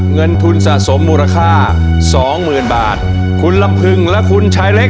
เงินทุนสะสมมูลค่าสองหมื่นบาทคุณลำพึงและคุณชายเล็ก